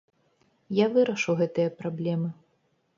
Я вырашу гэтыя праблемы.